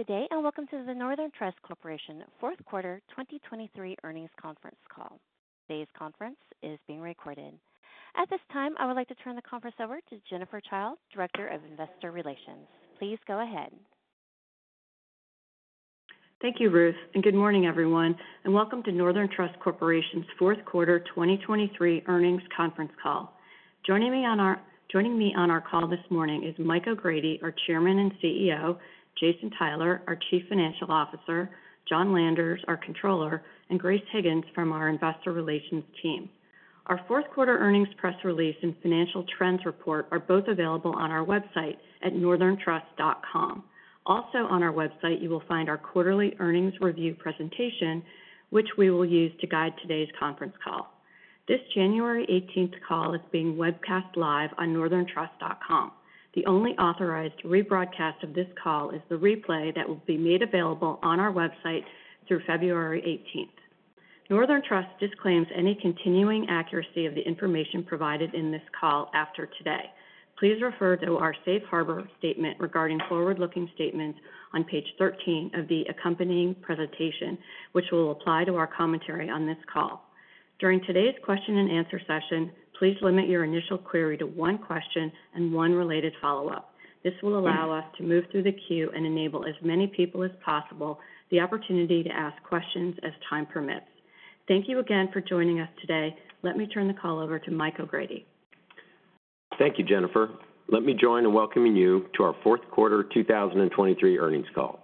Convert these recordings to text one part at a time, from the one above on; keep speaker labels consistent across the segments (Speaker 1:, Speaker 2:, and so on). Speaker 1: Good day, and welcome to the Northern Trust Corporation Fourth Quarter 2023 Earnings Conference Call. Today's conference is being recorded. At this time, I would like to turn the conference over to Jennifer Childe, Director of Investor Relations. Please go ahead.
Speaker 2: Thank you, Ruth, and good morning, everyone, and welcome to Northern Trust Corporation's fourth quarter 2023 earnings conference call. Joining me on our call this morning is Mike O'Grady, our Chairman and CEO, Jason Tyler, our Chief Financial Officer, John Landers, our Controller, and Grace Higgins from our Investor Relations team. Our fourth quarter earnings press release and financial trends report are both available on our website at northerntrust.com. Also on our website, you will find our quarterly earnings review presentation, which we will use to guide today's conference call. This January 18 call is being webcast live on northerntrust.com. The only authorized rebroadcast of this call is the replay that will be made available on our website through February 18. Northern Trust disclaims any continuing accuracy of the information provided in this call after today. Please refer to our safe harbor statement regarding forward-looking statements on page 13 of the accompanying presentation, which will apply to our commentary on this call. During today's question and answer session, please limit your initial query to one question and one related follow-up. This will allow us to move through the queue and enable as many people as possible the opportunity to ask questions as time permits. Thank you again for joining us today. Let me turn the call over to Mike O'Grady.
Speaker 3: Thank you, Jennifer. Let me join in welcoming you to our fourth quarter 2023 earnings call.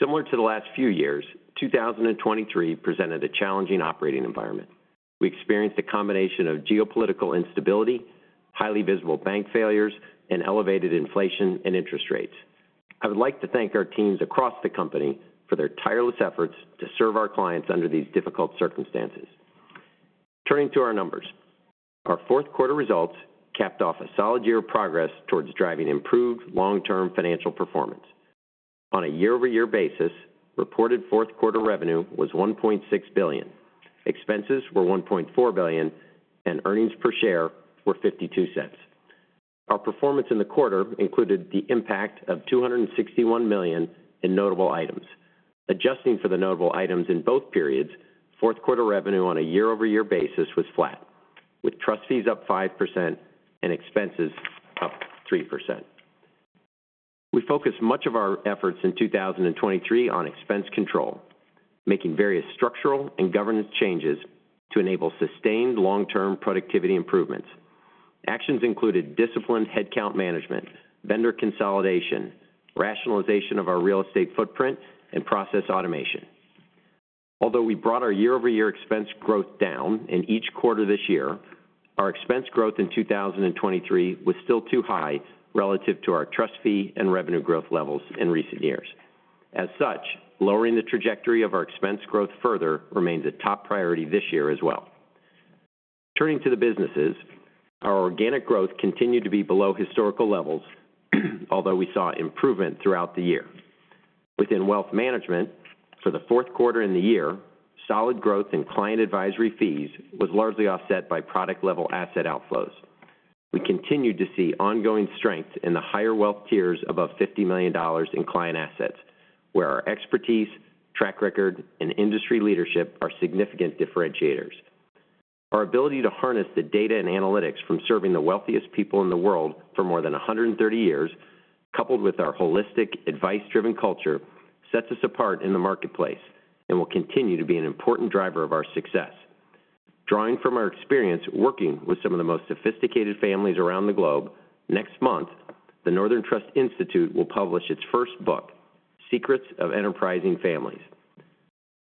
Speaker 3: Similar to the last few years, 2023 presented a challenging operating environment. We experienced a combination of geopolitical instability, highly visible bank failures, and elevated inflation and interest rates. I would like to thank our teams across the company for their tireless efforts to serve our clients under these difficult circumstances. Turning to our numbers. Our fourth quarter results capped off a solid year of progress towards driving improved long-term financial performance. On a year-over-year basis, reported fourth quarter revenue was $1.6 billion, expenses were $1.4 billion, and earnings per share were $0.52. Our performance in the quarter included the impact of $261 million in notable items. Adjusting for the notable items in both periods, fourth quarter revenue on a year-over-year basis was flat, with trust fees up 5% and expenses up 3%. We focused much of our efforts in 2023 on expense control, making various structural and governance changes to enable sustained long-term productivity improvements. Actions included disciplined headcount management, vendor consolidation, rationalization of our real estate footprint, and process automation. Although we brought our year-over-year expense growth down in each quarter this year, our expense growth in 2023 was still too high relative to our trust fee and revenue growth levels in recent years. As such, lowering the trajectory of our expense growth further remains a top priority this year as well. Turning to the businesses, our organic growth continued to be below historical levels, although we saw improvement throughout the year. Within wealth management, for the fourth quarter in the year, solid growth in client advisory fees was largely offset by product-level asset outflows. We continued to see ongoing strength in the higher wealth tiers above $50 million in client assets, where our expertise, track record, and industry leadership are significant differentiators. Our ability to harness the data and analytics from serving the wealthiest people in the world for more than 130 years, coupled with our holistic, advice-driven culture, sets us apart in the marketplace and will continue to be an important driver of our success. Drawing from our experience working with some of the most sophisticated families around the globe, next month, the Northern Trust Institute will publish its first book, Secrets of Enterprising Families.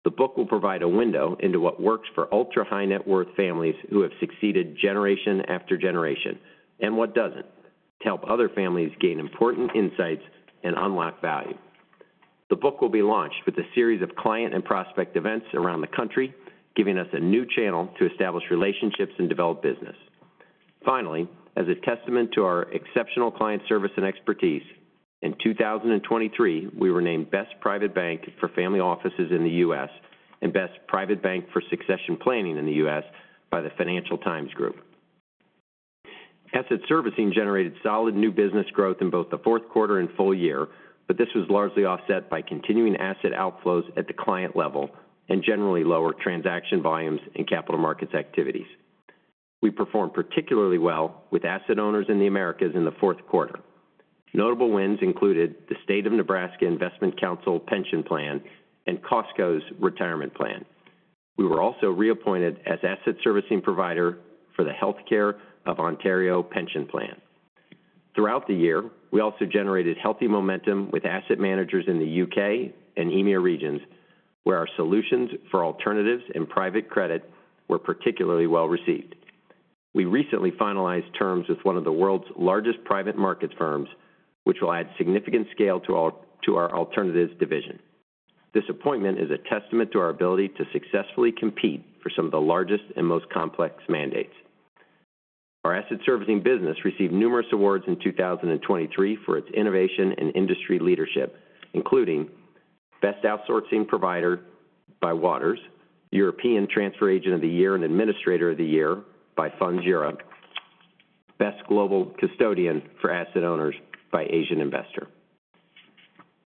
Speaker 3: The book will provide a window into what works for ultra-high net worth families who have succeeded generation after generation, and what doesn't, to help other families gain important insights and unlock value. The book will be launched with a series of client and prospect events around the country, giving us a new channel to establish relationships and develop business. Finally, as a testament to our exceptional client service and expertise, in 2023, we were named Best Private Bank for Family Offices in the U.S. and Best Private Bank for Succession Planning in the U.S. by the Financial Times. Asset servicing generated solid new business growth in both the fourth quarter and full year, but this was largely offset by continuing asset outflows at the client level and generally lower transaction volumes in capital markets activities. We performed particularly well with asset owners in the Americas in the fourth quarter. Notable wins included the State of Nebraska Investment Council Pension Plan and Costco's Retirement Plan. We were also reappointed as asset servicing provider for the Healthcare of Ontario Pension Plan. Throughout the year, we also generated healthy momentum with asset managers in the U.K. and EMEA regions, where our solutions for alternatives and private credit were particularly well received. We recently finalized terms with one of the world's largest private markets firms, which will add significant scale to our alternatives division. This appointment is a testament to our ability to successfully compete for some of the largest and most complex mandates. Our asset servicing business received numerous awards in 2023 for its innovation and industry leadership, including Best Outsourcing Provider by Waters, European Transfer Agent of the Year and Administrator of the Year by Funds Europe, Best Global Custodian for Asset Owners by AsianInvestor.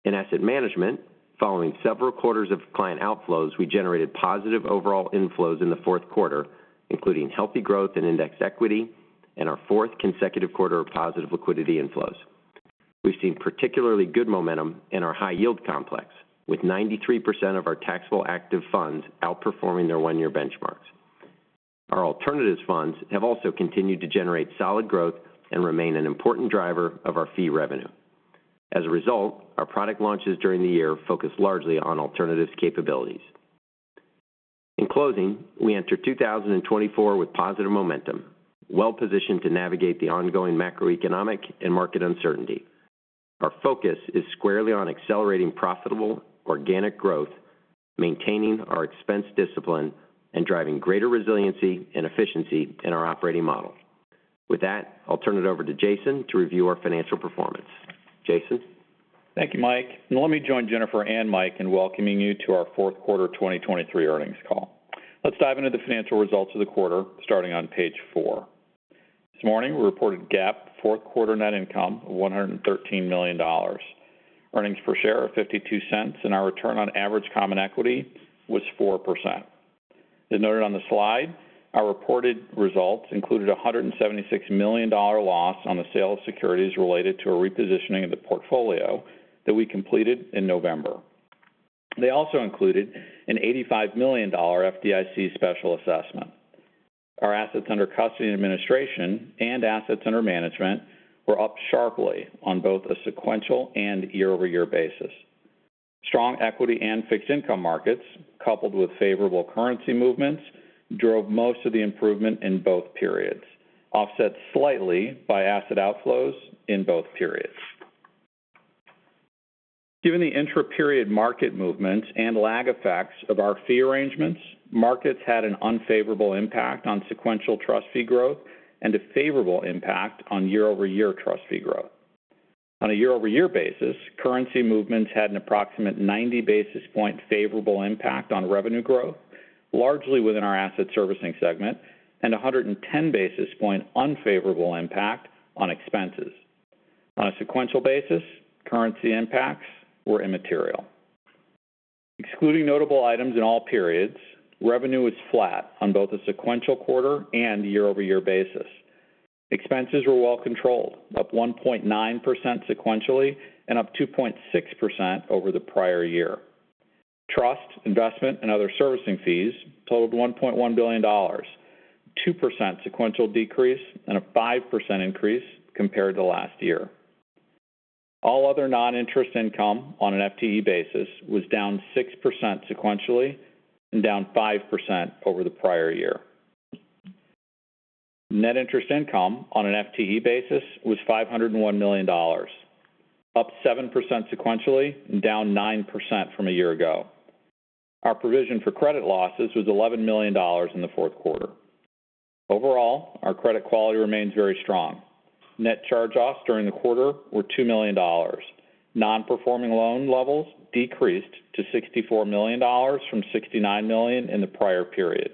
Speaker 3: In asset management, following several quarters of client outflows, we generated positive overall inflows in the fourth quarter, including healthy growth in index equity and our fourth consecutive quarter of positive liquidity inflows. We've seen particularly good momentum in our high yield complex, with 93% of our taxable active funds outperforming their one-year benchmarks. Our alternatives funds have also continued to generate solid growth and remain an important driver of our fee revenue. As a result, our product launches during the year focused largely on alternatives capabilities. In closing, we enter 2024 with positive momentum, well-positioned to navigate the ongoing macroeconomic and market uncertainty. Our focus is squarely on accelerating profitable organic growth, maintaining our expense discipline, and driving greater resiliency and efficiency in our operating model. With that, I'll turn it over to Jason to review our financial performance. Jason?
Speaker 4: Thank you, Mike. Let me join Jennifer and Mike in welcoming you to our fourth quarter 2023 earnings call. Let's dive into the financial results of the quarter, starting on page 4. This morning, we reported GAAP fourth quarter net income of $113 million. Earnings per share are $0.52, and our return on average common equity was 4%. As noted on the slide, our reported results included a $176 million loss on the sale of securities related to a repositioning of the portfolio that we completed in November. They also included an $85 million FDIC special assessment. Our assets under custody and administration and assets under management were up sharply on both a sequential and year-over-year basis. Strong equity and fixed income markets, coupled with favorable currency movements, drove most of the improvement in both periods, offset slightly by asset outflows in both periods. Given the intra-period market movements and lag effects of our fee arrangements, markets had an unfavorable impact on sequential trust fee growth and a favorable impact on year-over-year trust fee growth. On a year-over-year basis, currency movements had an approximate 90 basis point favorable impact on revenue growth, largely within our asset servicing segment, and a 110 basis point unfavorable impact on expenses. On a sequential basis, currency impacts were immaterial. Excluding notable items in all periods, revenue was flat on both a sequential quarter and year-over-year basis. Expenses were well controlled, up 1.9% sequentially and up 2.6% over the prior year. Trust, investment, and other servicing fees totaled $1.1 billion, 2% sequential decrease and a 5% increase compared to last year. All other non-interest income on an FTE basis was down 6% sequentially and down 5% over the prior year. Net interest income on an FTE basis was $501 million, up 7% sequentially and down 9% from a year ago. Our provision for credit losses was $11 million in the fourth quarter. Overall, our credit quality remains very strong. Net charge-offs during the quarter were $2 million. Non-performing loan levels decreased to $64 million from $69 million in the prior period,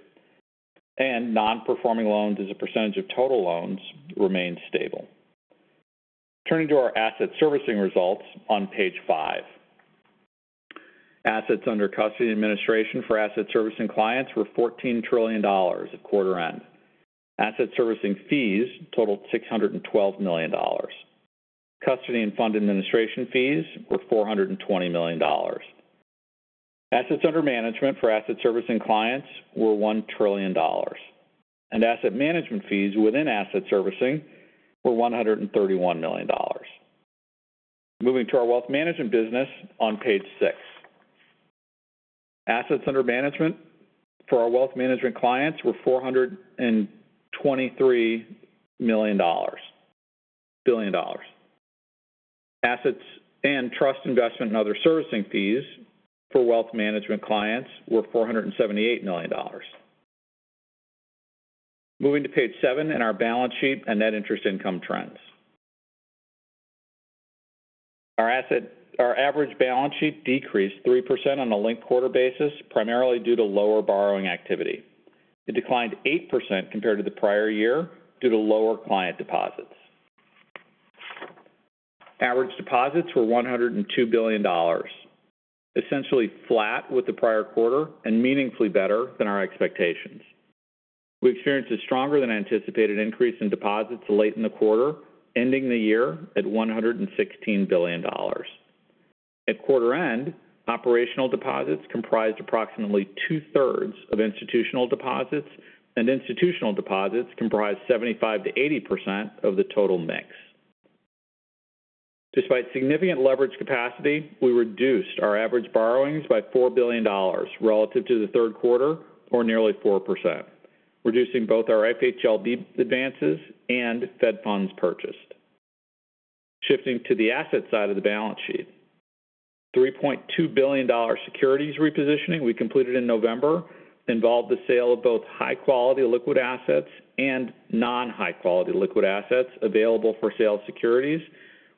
Speaker 4: and non-performing loans as a percentage of total loans remained stable. Turning to our asset servicing results on page 5. Assets under custody and administration for asset servicing clients were $14 trillion at quarter end. Asset servicing fees totaled $612 million. Custody and fund administration fees were $420 million. Assets under management for asset servicing clients were $1 trillion, and asset management fees within asset servicing were $131 million. Moving to our wealth management business on page six. Assets under management for our wealth management clients were $423 billion. Assets and trust, investment, and other servicing fees for wealth management clients were $478 million. Moving to page seven in our balance sheet and net interest income trends. Our average balance sheet decreased 3% on a linked quarter basis, primarily due to lower borrowing activity. It declined 8% compared to the prior year due to lower client deposits. Average deposits were $102 billion, essentially flat with the prior quarter and meaningfully better than our expectations. We experienced a stronger than anticipated increase in deposits late in the quarter, ending the year at $116 billion. At quarter end, operational deposits comprised approximately two-thirds of institutional deposits, and institutional deposits comprised 75%-80% of the total mix. Despite significant leverage capacity, we reduced our average borrowings by $4 billion relative to the third quarter, or nearly 4%, reducing both our FHLB advances and Fed funds purchased. Shifting to the asset side of the balance sheet, $3.2 billion securities repositioning we completed in November involved the sale of both high-quality liquid assets and non-high-quality liquid assets available for sale securities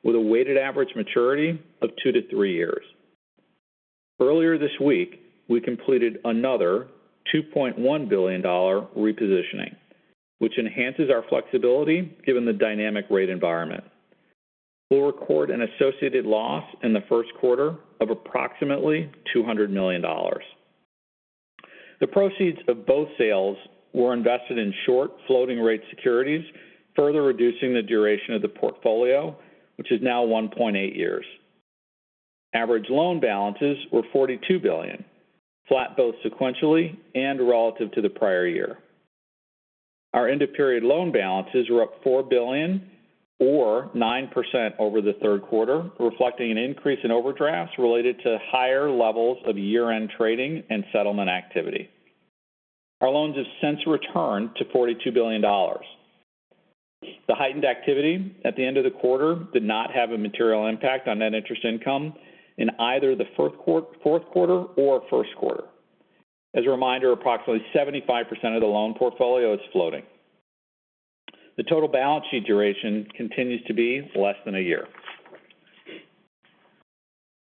Speaker 4: with a weighted average maturity of 2-3 years. Earlier this week, we completed another $2.1 billion repositioning, which enhances our flexibility given the dynamic rate environment. We'll record an associated loss in the first quarter of approximately $200 million. The proceeds of both sales were invested in short floating rate securities, further reducing the duration of the portfolio, which is now 1.8 years. Average loan balances were $42 billion, flat both sequentially and relative to the prior year. Our end of period loan balances were up $4 billion or 9% over the third quarter, reflecting an increase in overdrafts related to higher levels of year-end trading and settlement activity. Our loans have since returned to $42 billion. The heightened activity at the end of the quarter did not have a material impact on net interest income in either the fourth quarter or first quarter. As a reminder, approximately 75% of the loan portfolio is floating. The total balance sheet duration continues to be less than a year.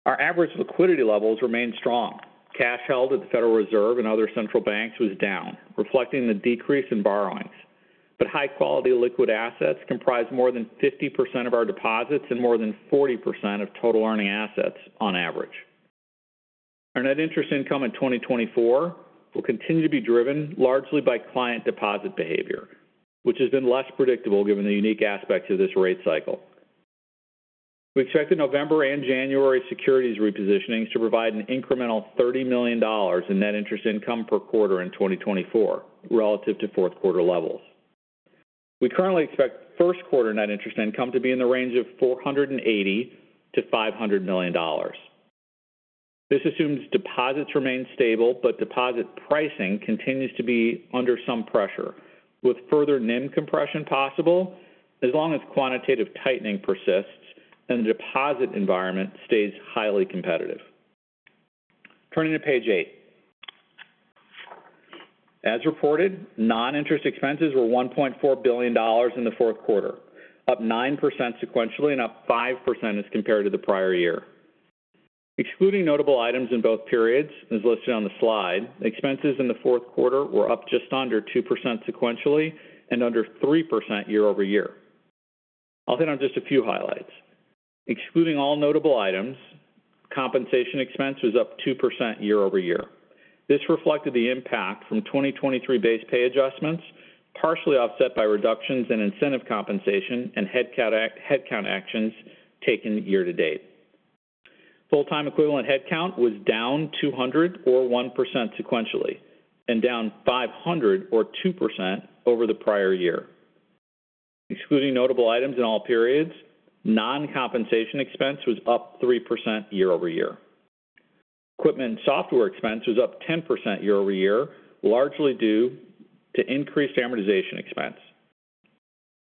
Speaker 4: Our average liquidity levels remain strong. Cash held at the Federal Reserve and other central banks was down, reflecting the decrease in borrowings. But high-quality liquid assets comprise more than 50% of our deposits and more than 40% of total earning assets on average. Our net interest income in 2024 will continue to be driven largely by client deposit behavior, which has been less predictable given the unique aspects of this rate cycle. We expect the November and January securities repositioning to provide an incremental $30 million in net interest income per quarter in 2024 relative to fourth quarter levels. We currently expect first quarter net interest income to be in the range of $480 million to $500 million. This assumes deposits remain stable, but deposit pricing continues to be under some pressure, with further NIM compression possible as long as quantitative tightening persists and the deposit environment stays highly competitive. Turning to page eight. As reported, non-interest expenses were $1.4 billion in the fourth quarter, up 9% sequentially and up 5% as compared to the prior year. Excluding notable items in both periods, as listed on the slide, expenses in the fourth quarter were up just under 2% sequentially and under 3% year-over-year. I'll hit on just a few highlights. Excluding all notable items, compensation expense was up 2% year-over-year. This reflected the impact from 2023 base pay adjustments, partially offset by reductions in incentive compensation and headcount actions taken year to date. Full-time equivalent headcount was down 200, or 1% sequentially, and down 500, or 2% over the prior year. Excluding notable items in all periods, non-compensation expense was up 3% year-over-year. Equipment and software expense was up 10% year-over-year, largely due to increased amortization expense.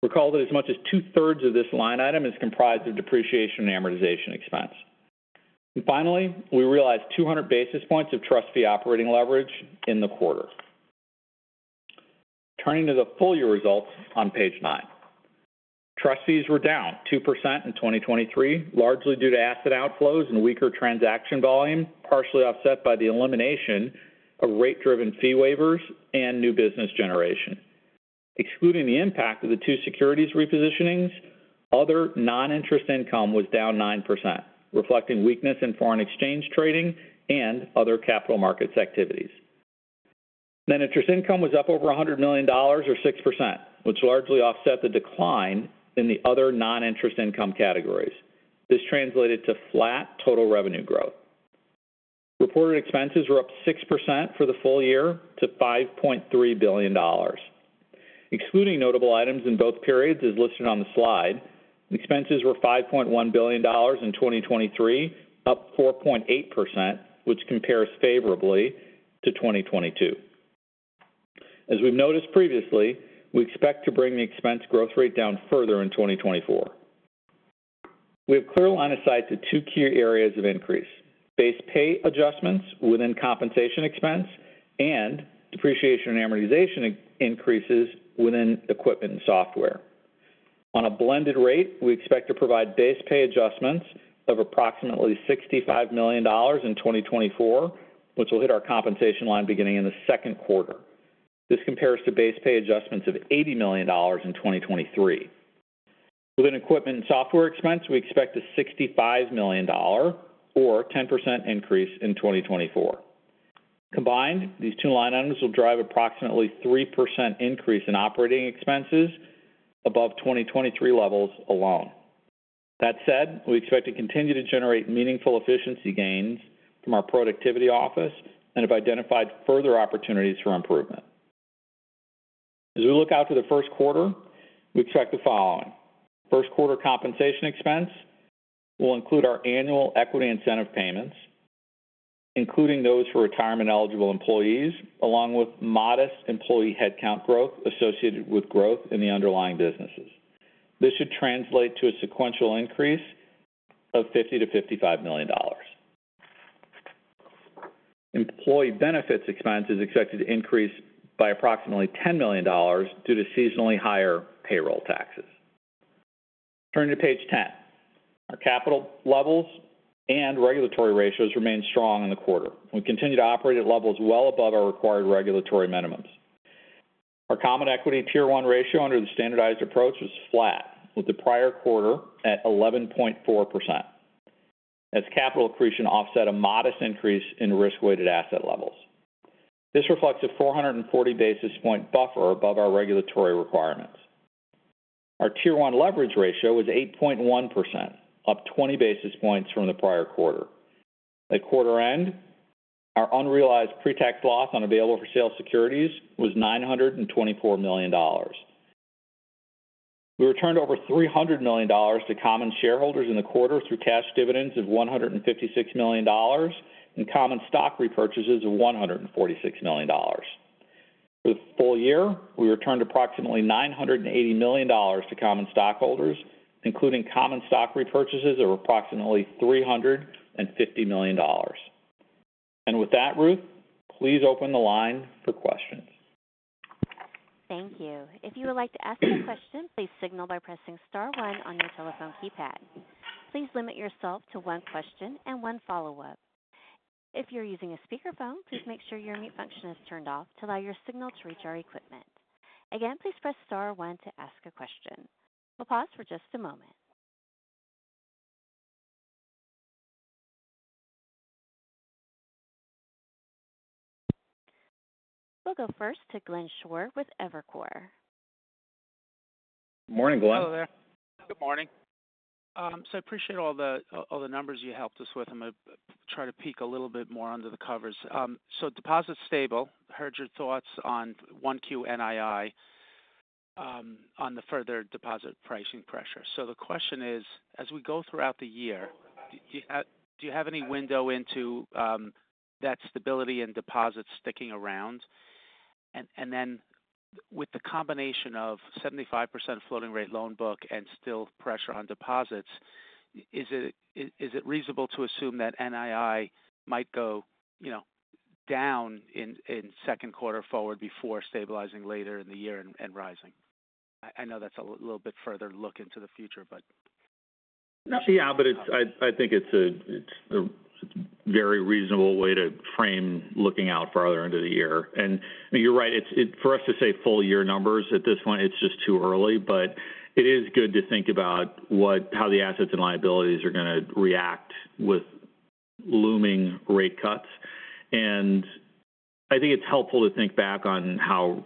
Speaker 4: Recall that as much as two-thirds of this line item is comprised of depreciation and amortization expense. Finally, we realized 200 basis points of trust fee operating leverage in the quarter. Turning to the full year results on page 9. Trust fees were down 2% in 2023, largely due to asset outflows and weaker transaction volume, partially offset by the elimination of rate-driven fee waivers and new business generation. Excluding the impact of the two securities repositionings, other non-interest income was down 9%, reflecting weakness in foreign exchange trading and other capital markets activities. Net interest income was up over $100 million or 6%, which largely offset the decline in the other non-interest income categories. This translated to flat total revenue growth. Reported expenses were up 6% for the full year to $5.3 billion. Excluding notable items in both periods, as listed on the slide, expenses were $5.1 billion in 2023, up 4.8%, which compares favorably to 2022. As we've noticed previously, we expect to bring the expense growth rate down further in 2024. We have clear line of sight to two key areas of increase: base pay adjustments within compensation expense and depreciation and amortization increases within equipment and software. On a blended rate, we expect to provide base pay adjustments of approximately $65 million in 2024, which will hit our compensation line beginning in the second quarter. This compares to base pay adjustments of $80 million in 2023. Within equipment and software expense, we expect a $65 million or 10% increase in 2024. Combined, these two line items will drive approximately 3% increase in operating expenses above 2023 levels alone. That said, we expect to continue to generate meaningful efficiency gains from our productivity office and have identified further opportunities for improvement. As we look out to the first quarter, we expect the following: First quarter compensation expense will include our annual equity incentive payments, including those for retirement-eligible employees, along with modest employee headcount growth associated with growth in the underlying businesses. This should translate to a sequential increase of $50 million to $55 million. Employee benefits expense is expected to increase by approximately $10 million due to seasonally higher payroll taxes. Turning to page 10. Our capital levels and regulatory ratios remained strong in the quarter. We continue to operate at levels well above our required regulatory minimums. Our Common Equity Tier 1 ratio under the standardized approach was flat with the prior quarter at 11.4%, as capital accretion offset a modest increase in risk-weighted asset levels. This reflects a 440 basis point buffer above our regulatory requirements. Our Tier 1 Leverage Ratio was 8.1%, up 20 basis points from the prior quarter. At quarter end, our unrealized pre-tax loss on available-for-sale securities was $924 million. We returned over $300 million to common shareholders in the quarter through cash dividends of $156 million, and common stock repurchases of $146 million. For the full year, we returned approximately $980 million to common stockholders, including common stock repurchases of approximately $350 million. With that, Ruth, please open the line for questions.
Speaker 1: Thank you. If you would like to ask a question, please signal by pressing star one on your telephone keypad. Please limit yourself to one question and one follow-up. If you're using a speakerphone, please make sure your mute function is turned off to allow your signal to reach our equipment. Again, please press star one to ask a question. We'll pause for just a moment. We'll go first to Glenn Schorr with Evercore.
Speaker 3: Morning, Glenn.
Speaker 5: Hello there.
Speaker 4: Good morning.
Speaker 5: So I appreciate all the, all the numbers you helped us with. I'm going to try to peek a little bit more under the covers. So deposits stable. Heard your thoughts on 1Q NII, on the further deposit pricing pressure. So the question is, as we go throughout the year, do you have, do you have any window into, that stability and deposits sticking around? And, and then with the combination of 75% floating rate loan book and still pressure on deposits, is it, is it reasonable to assume that NII might go, you know, down in, in second quarter forward before stabilizing later in the year and, and rising? I, I know that's a little bit further look into the future, but.
Speaker 4: Yeah, but it's—I think it's a very reasonable way to frame looking out farther into the year. And you're right, it's for us to say full year numbers at this point; it's just too early. But it is good to think about how the assets and liabilities are going to react with looming rate cuts. And I think it's helpful to think back on how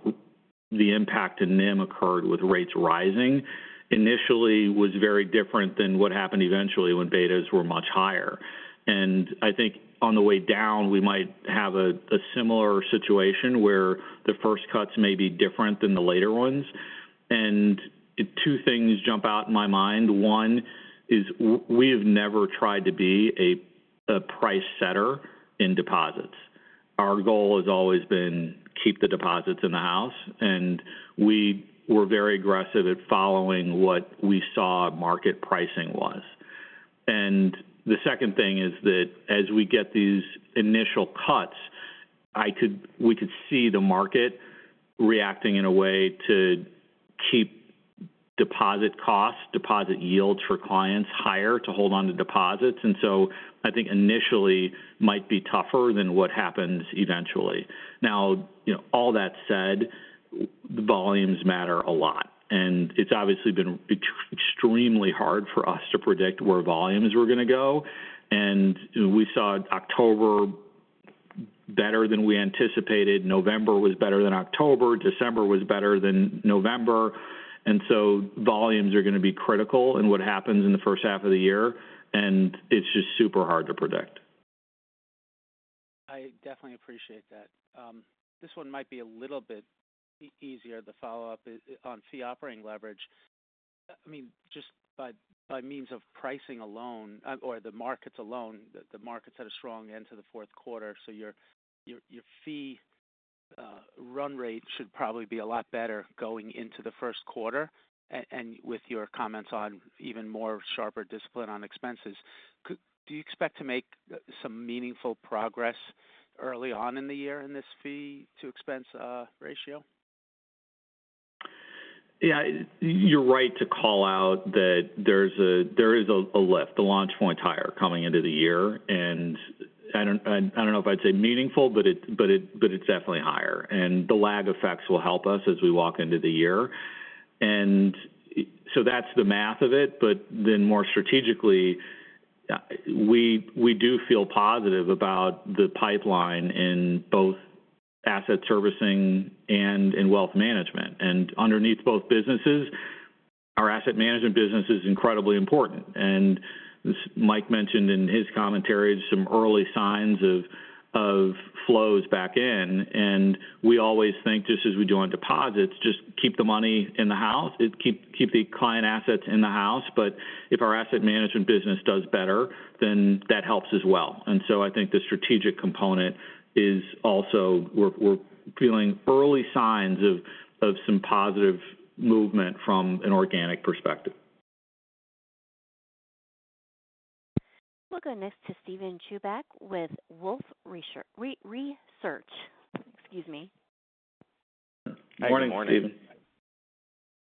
Speaker 4: the impact in NIM occurred with rates rising initially was very different than what happened eventually when betas were much higher. And I think on the way down, we might have a similar situation where the first cuts may be different than the later ones. And two things jump out in my mind. One is we have never tried to be a price setter in deposits. Our goal has always been to keep the deposits in the house, and we were very aggressive at following what we saw market pricing was. And the second thing is that as we get these initial cuts, we could see the market reacting in a way to keep deposit costs, deposit yields for clients higher to hold on to deposits. And so I think initially might be tougher than what happens eventually. Now, you know, all that said, volumes matter a lot, and it's obviously been extremely hard for us to predict where volumes were going to go. And we saw October better than we anticipated. November was better than October, December was better than November, and so volumes are going to be critical in what happens in the first half of the year, and it's just super hard to predict.
Speaker 5: I definitely appreciate that. This one might be a little bit easier. The follow-up is on Fee Operating Leverage. I mean, just by means of pricing alone or the markets alone, the markets had a strong end to the fourth quarter, so your fee run rate should probably be a lot better going into the first quarter and with your comments on even more sharper discipline on expenses. Could you expect to make some meaningful progress early on in the year in this fee to expense ratio?
Speaker 4: Yeah, you're right to call out that there's a lift, the launch point's higher coming into the year. And I don't know if I'd say meaningful, but it's definitely higher, and the lag effects will help us as we walk into the year. And so that's the math of it. But then more strategically, we do feel positive about the pipeline in both asset servicing and in wealth management. And underneath both businesses, our asset management business is incredibly important. And Mike mentioned in his commentary some early signs of flows back in, and we always think, just as we do on deposits, just keep the money in the house, keep the client assets in the house. But if our asset management business does better, then that helps as well. And so I think the strategic component is also we're feeling early signs of some positive movement from an organic perspective. ...
Speaker 1: We'll go next to Steven Chubak with Wolfe Research. Excuse me.
Speaker 4: Good morning, Steven.
Speaker 6: Hi, good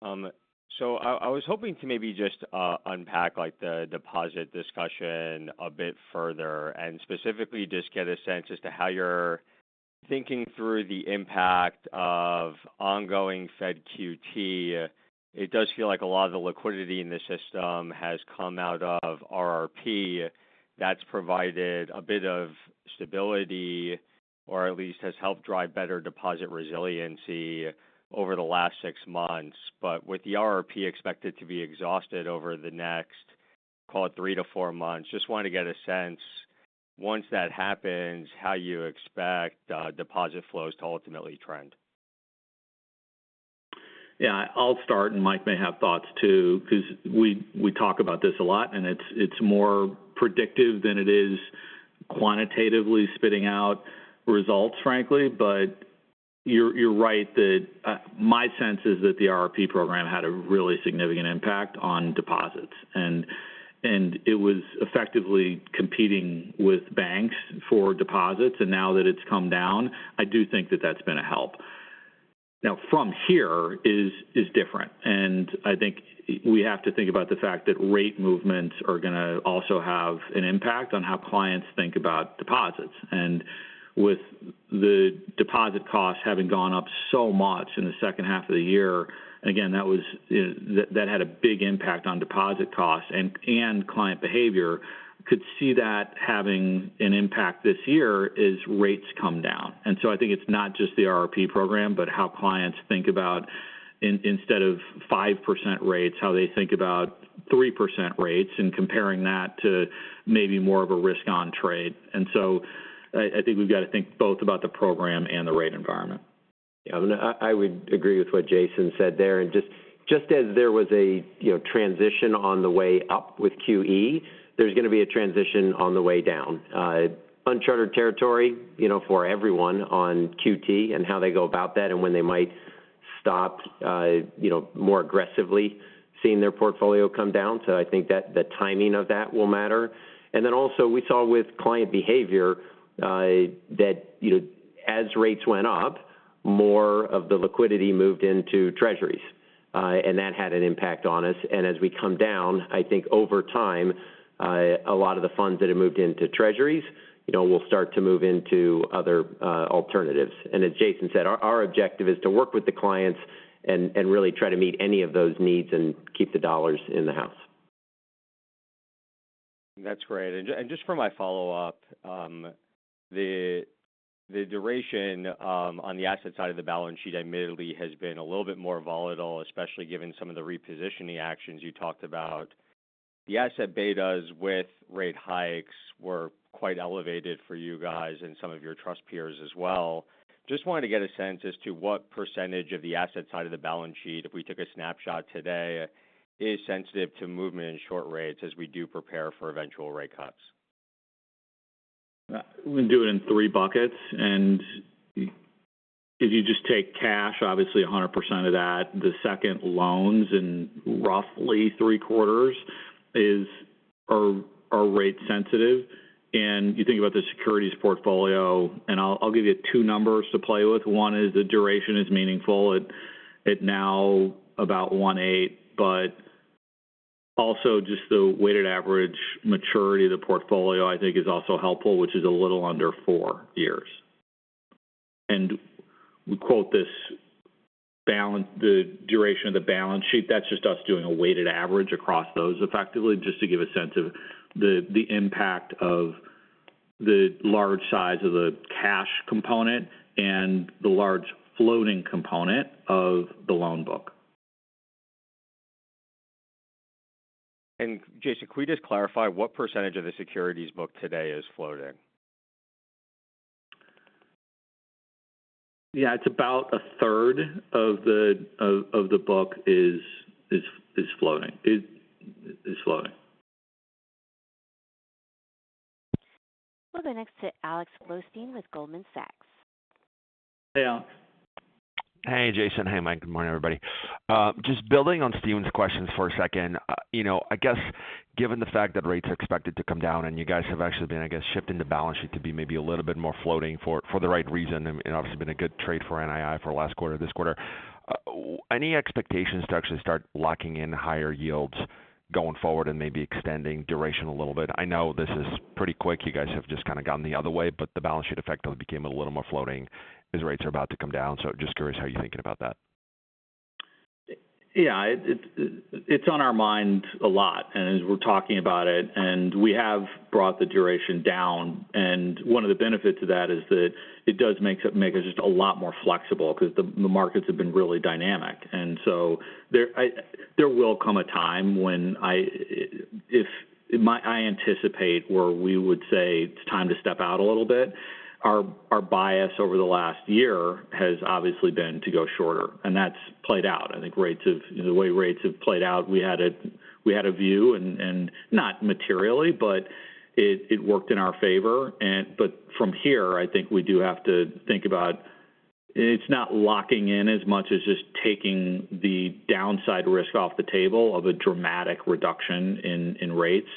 Speaker 6: morning. So I was hoping to maybe just unpack, like, the deposit discussion a bit further, and specifically just get a sense as to how you're thinking through the impact of ongoing Fed QT. It does feel like a lot of the liquidity in the system has come out of RRP. That's provided a bit of stability, or at least has helped drive better deposit resiliency over the last six months. But with the RRP expected to be exhausted over the next, call it 3-4 months, just wanted to get a sense, once that happens, how you expect deposit flows to ultimately trend?
Speaker 4: Yeah, I'll start, and Mike may have thoughts, too, 'cause we talk about this a lot, and it's more predictive than it is quantitatively spitting out results, frankly. But you're right that my sense is that the RRP program had a really significant impact on deposits. And it was effectively competing with banks for deposits, and now that it's come down, I do think that that's been a help. Now, from here is different, and I think we have to think about the fact that rate movements are going to also have an impact on how clients think about deposits. And with the deposit costs having gone up so much in the second half of the year, again, that was that had a big impact on deposit costs and client behavior, could see that having an impact this year as rates come down. And so I think it's not just the RRP program, but how clients think about instead of 5% rates, how they think about 3% rates, and comparing that to maybe more of a risk on trade. And so I think we've got to think both about the program and the rate environment.
Speaker 3: Yeah, and I would agree with what Jason said there. And just as there was, you know, transition on the way up with QE, there's going to be a transition on the way down. Unchartered territory, you know, for everyone on QT and how they go about that and when they might stop, you know, more aggressively seeing their portfolio come down. So I think that the timing of that will matter. And then also we saw with client behavior, that, you know, as rates went up, more of the liquidity moved into Treasuries, and that had an impact on us. And as we come down, I think over time, a lot of the funds that have moved into Treasuries, you know, will start to move into other alternatives. As Jason said, our objective is to work with the clients and really try to meet any of those needs and keep the dollars in the house.
Speaker 4: That's great. And just for my follow-up, the duration on the asset side of the balance sheet admittedly has been a little bit more volatile, especially given some of the repositioning actions you talked about. The asset betas with rate hikes were quite elevated for you guys and some of your trust peers as well. Just wanted to get a sense as to what percentage of the asset side of the balance sheet, if we took a snapshot today, is sensitive to movement in short rates as we do prepare for eventual rate cuts? We can do it in three buckets, and if you just take cash, obviously 100% of that. The second, loans in roughly three-quarters are rate sensitive. And you think about the securities portfolio, and I'll give you two numbers to play with. One is the duration is meaningful. It, at now about 1.8, but also just the weighted average maturity of the portfolio, I think is also helpful, which is a little under 4 years. And we quote this balance sheet duration, that's just us doing a weighted average across those effectively, just to give a sense of the impact of the large size of the cash component and the large floating component of the loan book.
Speaker 6: Jason, can we just clarify what percentage of the securities book today is floating?
Speaker 4: Yeah, it's about a third of the book is floating. It is floating.
Speaker 1: We'll go next to Alex Blostein with Goldman Sachs.
Speaker 4: Hey, Alex.
Speaker 7: Hey, Jason. Hey, Mike. Good morning, everybody. Just building on Steven's questions for a second. You know, I guess given the fact that rates are expected to come down and you guys have actually been, I guess, shifting the balance sheet to be maybe a little bit more floating for the right reason, and obviously been a good trade for NII for last quarter, this quarter. Any expectations to actually start locking in higher yields going forward and maybe extending duration a little bit? I know this is pretty quick. You guys have just kind of gotten the other way, but the balance sheet effectively became a little more floating as rates are about to come down. So just curious how you're thinking about that.
Speaker 4: Yeah, it's on our mind a lot, and as we're talking about it, and we have brought the duration down, and one of the benefits of that is that it does make us just a lot more flexible because the markets have been really dynamic. And so there will come a time when I anticipate where we would say it's time to step out a little bit. Our bias over the last year has obviously been to go shorter, and that's played out. I think the way rates have played out, we had a view and not materially, but it worked in our favor. But from here, I think we do have to think about... It's not locking in as much as just taking the downside risk off the table of a dramatic reduction in rates.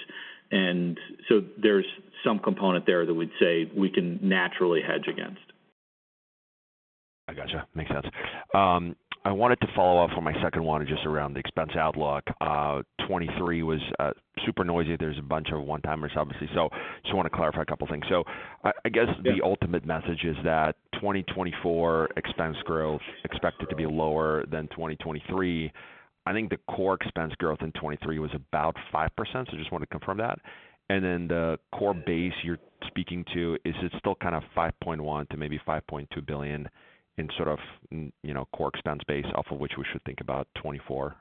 Speaker 4: And so there's some component there that we'd say we can naturally hedge against.
Speaker 7: I got you. Makes sense. I wanted to follow up on my second one, just around the expense outlook. Twenty-three was super noisy. There's a bunch of one-timers, obviously. So just want to clarify a couple of things. So I guess the ultimate message is that 2024 expense growth expected to be lower than 2023. I think the core expense growth in 2023 was about 5%, so just want to confirm that. And then the core base you're speaking to, is it still kind of $5.1 billion to maybe $5.2 billion in sort of, you know, core expense base off of which we should think about 2024?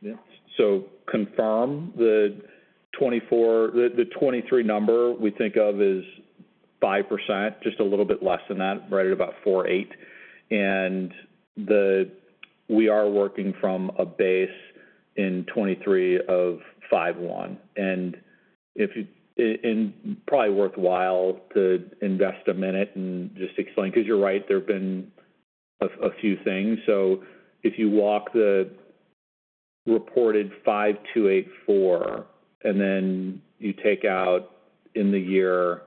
Speaker 4: Yeah. So confirm the 2024—the 2023 number we think of is 5%, just a little bit less than that, right at about 4.8%. And we are working from a base in 2023 of 5.1%. And if you and probably worthwhile to invest a minute and just explain, because you're right, there have been a few things. So if you walk the reported $5,284 million, and then you take out in the year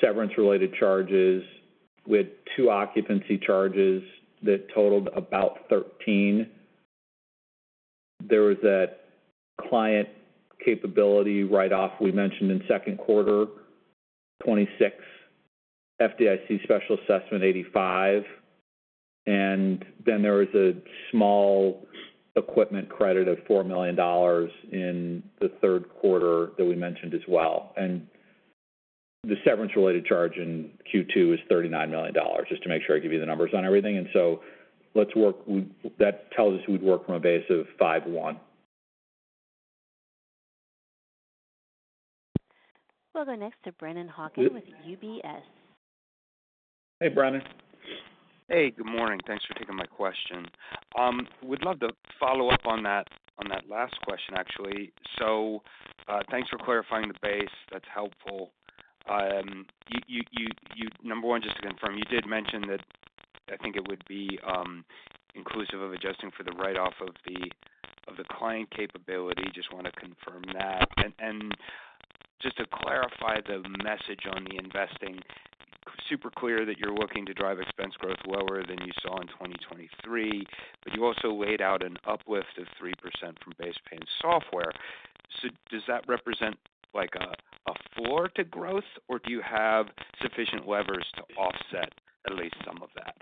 Speaker 4: severance-related charges with two occupancy charges that totaled about $13 million. There was that client capability write-off we mentioned in second quarter, $26 million; FDIC special assessment, $85 million. And then there was a small equipment credit of $4 million in the third quarter that we mentioned as well. And the severance-related charge in Q2 is $39 million, just to make sure I give you the numbers on everything. That tells us we'd work from a base of 51.
Speaker 1: We'll go next to Brennan Hawken with UBS.
Speaker 4: Hey, Brennan.
Speaker 8: Hey, good morning. Thanks for taking my question. Would love to follow up on that, on that last question, actually. So, thanks for clarifying the base. That's helpful. You—number one, just to confirm, you did mention that I think it would be inclusive of adjusting for the write-off of the, of the client capability. Just want to confirm that. And just to clarify the message on the investing, super clear that you're looking to drive expense growth lower than you saw in 2023, but you also laid out an uplift of 3% from base pay and software. So does that represent like a floor to growth, or do you have sufficient levers to offset at least some of that?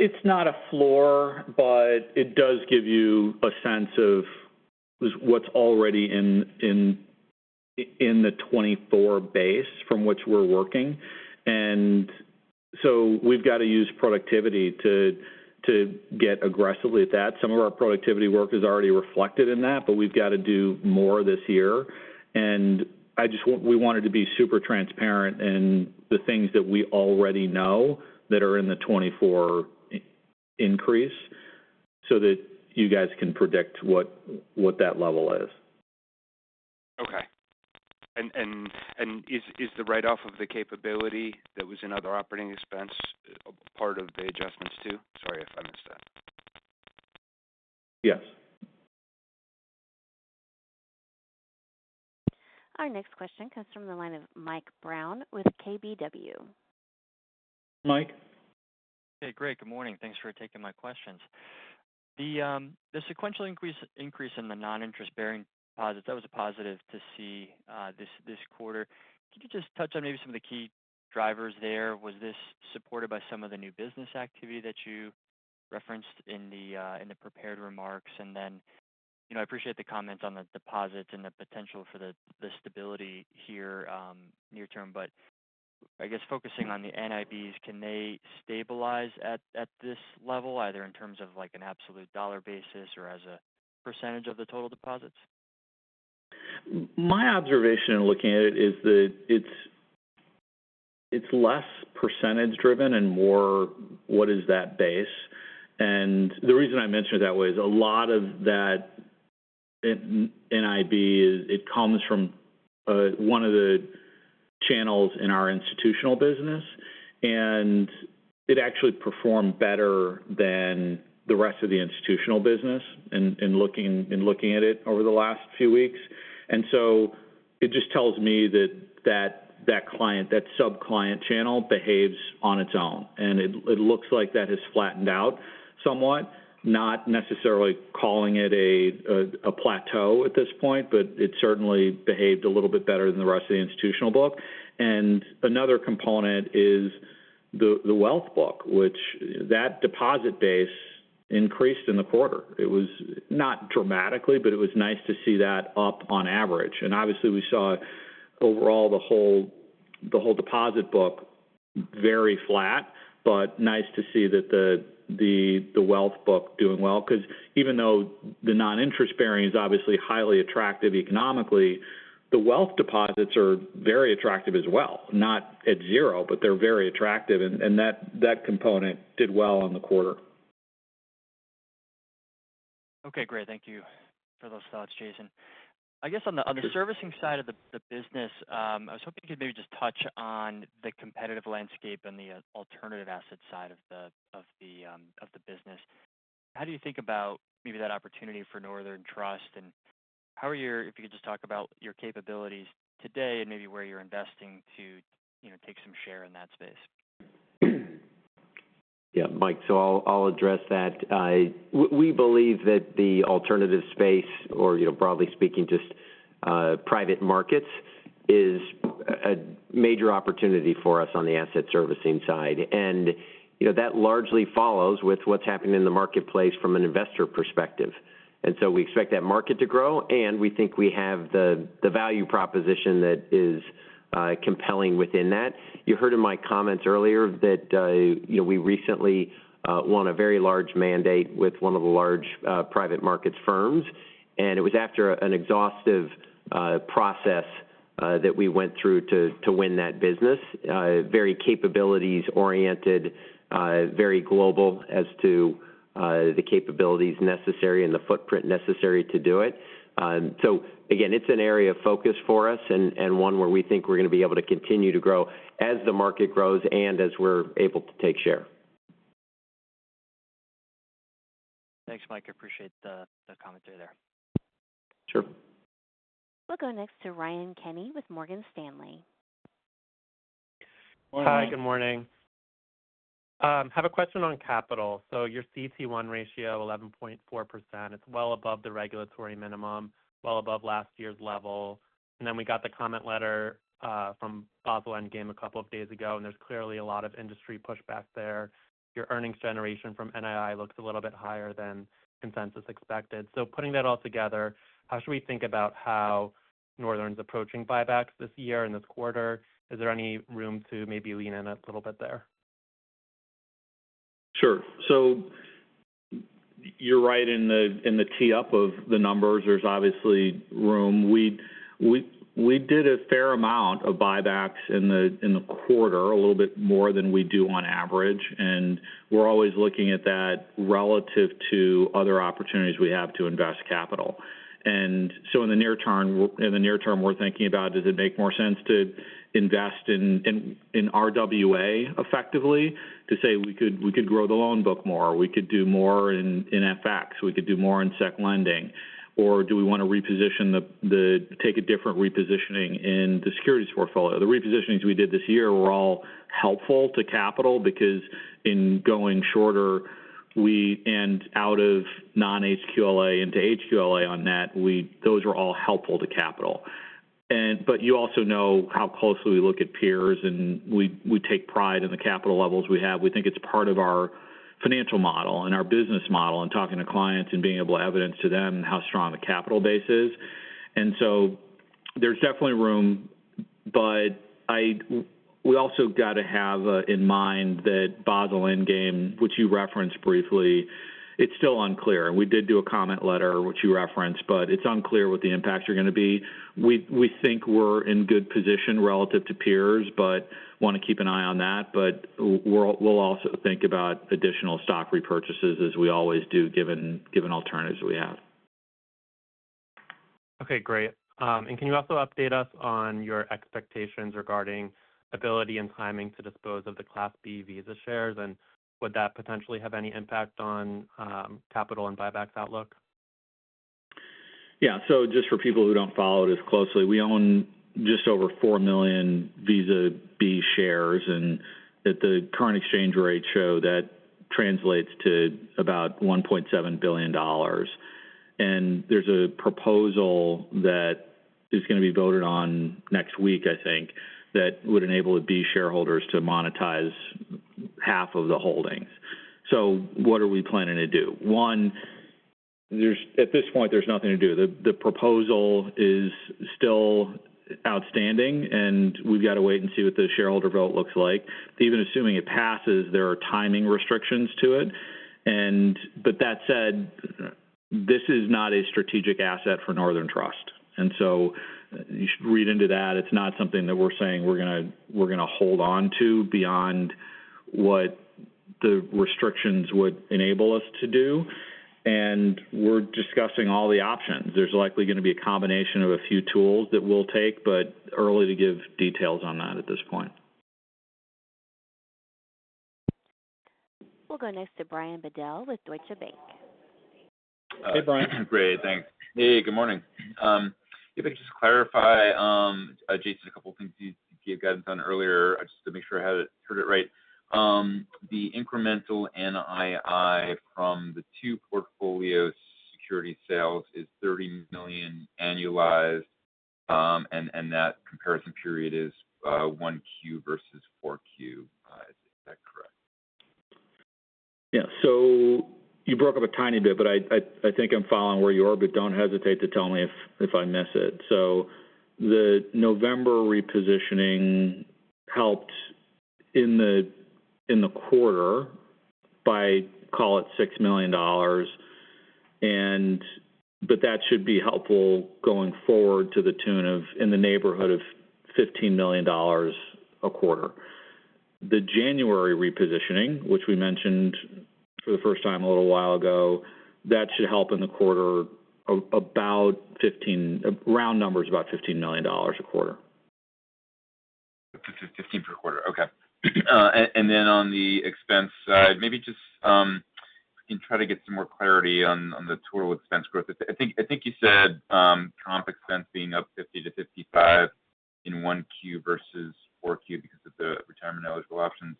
Speaker 4: It's not a floor, but it does give you a sense of what's already in the 2024 base from which we're working. And so we've got to use productivity to get aggressively at that. Some of our productivity work is already reflected in that, but we've got to do more this year. And I just want, we wanted to be super transparent in the things that we already know that are in the 2024 increase so that you guys can predict what that level is.
Speaker 8: Okay. And is the write-off of the capability that was in other operating expense part of the adjustments, too? Sorry if I missed that.
Speaker 4: Yes.
Speaker 1: Our next question comes from the line of Mike Brown with KBW.
Speaker 4: Mike?
Speaker 9: Hey, Great, good morning. Thanks for taking my questions. The sequential increase in the non-interest-bearing deposits, that was a positive to see this quarter. Can you just touch on maybe some of the key drivers there? Was this supported by some of the new business activity that you referenced in the prepared remarks? And then, you know, I appreciate the comments on the deposits and the potential for the stability here near term, but I guess focusing on the NIBs, can they stabilize at this level, either in terms of like an absolute dollar basis or as a percentage of the total deposits?
Speaker 4: My observation in looking at it is that it's, it's less percentage-driven and more, what is that base? And the reason I mention it that way is a lot of that NIB, it comes from one of the channels in our institutional business, and it actually performed better than the rest of the institutional business in looking at it over the last few weeks. And so it just tells me that that client, that sub-client channel behaves on its own, and it looks like that has flattened out somewhat. Not necessarily calling it a plateau at this point, but it certainly behaved a little bit better than the rest of the institutional book. And another component is the wealth book, which that deposit base increased in the quarter. It was not dramatically, but it was nice to see that up on average. And obviously, we saw overall the whole deposit book very flat, but nice to see that the wealth book doing well, because even though the non-interest-bearing is obviously highly attractive economically, the wealth deposits are very attractive as well. Not at zero, but they're very attractive, and that component did well on the quarter....
Speaker 9: Okay, great. Thank you for those thoughts, Jason. I guess on the servicing side of the business, I was hoping you could maybe just touch on the competitive landscape and the alternative asset side of the business. How do you think about maybe that opportunity for Northern Trust, and if you could just talk about your capabilities today and maybe where you're investing to, you know, take some share in that space?
Speaker 3: Yeah, Mike, so I'll address that. We believe that the alternative space or, you know, broadly speaking, just private markets is a major opportunity for us on the asset servicing side. And, you know, that largely follows with what's happened in the marketplace from an investor perspective. And so we expect that market to grow, and we think we have the value proposition that is compelling within that. You heard in my comments earlier that, you know, we recently won a very large mandate with one of the large private markets firms, and it was after an exhaustive process that we went through to win that business. Very capabilities-oriented, very global as to the capabilities necessary and the footprint necessary to do it. So again, it's an area of focus for us and one where we think we're going to be able to continue to grow as the market grows and as we're able to take share.
Speaker 9: Thanks, Mike. I appreciate the commentary there.
Speaker 4: Sure.
Speaker 1: We'll go next to Ryan Kenny with Morgan Stanley.
Speaker 10: Hi, good morning. Have a question on capital. So your CET1 ratio, 11.4%, it's well above the regulatory minimum, well above last year's level. And then we got the comment letter from Basel Endgame a couple of days ago, and there's clearly a lot of industry pushback there. Your earnings generation from NII looks a little bit higher than consensus expected. So putting that all together, how should we think about how Northern's approaching buybacks this year and this quarter? Is there any room to maybe lean in a little bit there?
Speaker 4: Sure. So you're right in the tee up of the numbers, there's obviously room. We did a fair amount of buybacks in the quarter, a little bit more than we do on average, and we're always looking at that relative to other opportunities we have to invest capital. And so in the near term, we're thinking about, does it make more sense to invest in RWA effectively, to say we could grow the loan book more, we could do more in FX, we could do more in sec lending, or do we want to reposition, take a different repositioning in the securities portfolio? The repositionings we did this year were all helpful to capital because in going shorter, we and out of non-HQLA into HQLA on net, we those were all helpful to capital. But you also know how closely we look at peers, and we, we take pride in the capital levels we have. We think it's part of our financial model and our business model, and talking to clients and being able to evidence to them how strong the capital base is. And so there's definitely room, but I w-we also got to have in mind that Basel Endgame, which you referenced briefly; it's still unclear. We did do a comment letter, which you referenced, but it's unclear what the impacts are going to be. We, we think we're in good position relative to peers, but want to keep an eye on that. But we're, we'll also think about additional stock repurchases as we always do, given alternatives we have.
Speaker 10: Okay, great. And can you also update us on your expectations regarding ability and timing to dispose of the Class B Visa shares? And would that potentially have any impact on capital and buyback outlook?
Speaker 4: Yeah. So just for people who don't follow it as closely, we own just over 4 million Visa B shares, and at the current exchange rate, that translates to about $1.7 billion. And there's a proposal that is going to be voted on next week, I think, that would enable the B shareholders to monetize half of the holdings. So what are we planning to do? One, there's, at this point, there's nothing to do. The, the proposal is still outstanding, and we've got to wait and see what the shareholder vote looks like. Even assuming it passes, there are timing restrictions to it. And, but that said, this is not a strategic asset for Northern Trust, and so you should read into that. It's not something that we're saying we're going to, we're going to hold on to beyond what the restrictions would enable us to do, and we're discussing all the options. There's likely going to be a combination of a few tools that we'll take, but early to give details on that at this point.
Speaker 1: We'll go next to Brian Bedell with Deutsche Bank.
Speaker 4: Hey, Brian. Great, thanks.
Speaker 11: Hey, good morning. If I could just clarify, Jason, a couple of things you, you guys done earlier, just to make sure I had it, heard it right. The incremental NII from the two portfolio security sales is $30 million annualized, and that comparison period is one Q versus four Q. Is that correct?
Speaker 4: Yeah. So you broke up a tiny bit, but I, I, I think I'm following where you are, but don't hesitate to tell me if, if I miss it. So the November repositioning helped in the, in the quarter by, call it $6 million, and—but that should be helpful going forward to the tune of, in the neighborhood of $15 million a quarter.... The January repositioning, which we mentioned for the first time a little while ago, that should help in the quarter, about $15 million, round numbers, about $15 million a quarter.
Speaker 11: 15 per quarter. Okay. And then on the expense side, maybe just try to get some more clarity on the total expense growth. I think you said comp expense being up 50 to 55 in 1Q versus 4Q because of the retirement eligible options,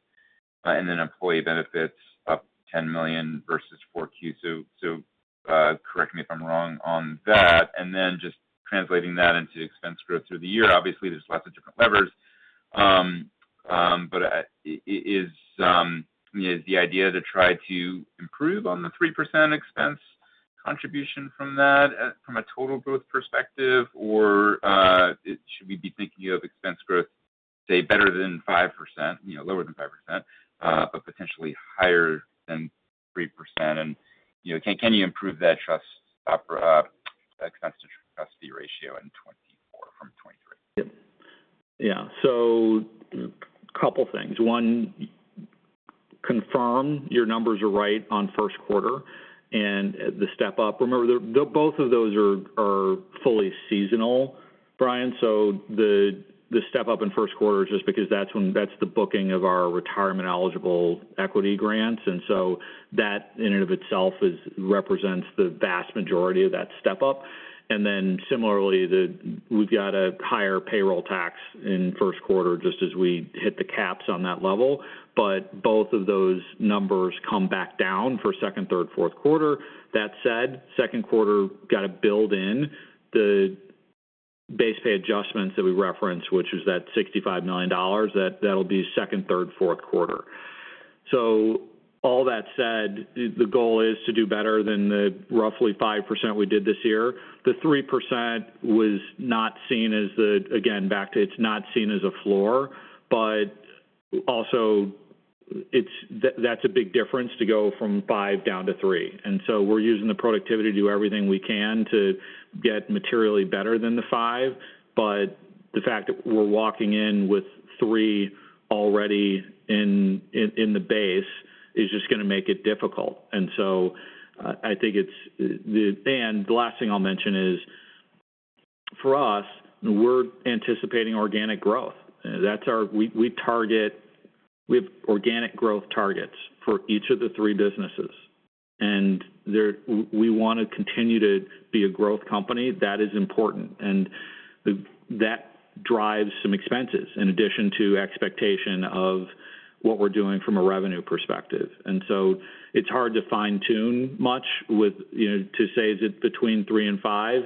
Speaker 11: and then employee benefits up $10 million versus 4Q. So, correct me if I'm wrong on that, and then just translating that into expense growth through the year. Obviously, there's lots of different levers, but is the idea to try to improve on the 3% expense contribution from that, from a total growth perspective, or should we be thinking of expense growth, say, better than 5%, you know, lower than 5%, but potentially higher than 3%? You know, can you improve that trust expense-to-trustee ratio in 2024 from 2023?
Speaker 4: Yeah. So couple things. One, confirm your numbers are right on first quarter and the step up. Remember, both of those are fully seasonal, Brian. So the step up in first quarter is just because that's when that's the booking of our retirement-eligible equity grants, and so that, in and of itself, represents the vast majority of that step up. And then similarly, we've got a higher payroll tax in first quarter, just as we hit the caps on that level. But both of those numbers come back down for second, third, fourth quarter. That said, second quarter got to build in the base pay adjustments that we referenced, which is that $65 million, that'll be second, third, fourth quarter. So all that said, the goal is to do better than the roughly 5% we did this year. The 3% was not seen as the—again, back to, it's not seen as a floor, but also it's—that's a big difference to go from 5 down to 3. And so we're using the productivity to do everything we can to get materially better than the 5. But the fact that we're walking in with 3 already in the base is just going to make it difficult. And so I think it's the... And the last thing I'll mention is, for us, we're anticipating organic growth. That's our—we target—we have organic growth targets for each of the three businesses, and there—we want to continue to be a growth company. That is important, and that drives some expenses in addition to expectation of what we're doing from a revenue perspective. And so it's hard to fine-tune much with, you know, to say is it between three and five.